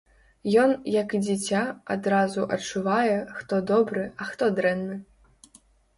Ён, як і дзіця, адразу адчувае, хто добры, а хто дрэнны.